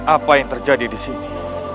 apa yang terjadi disini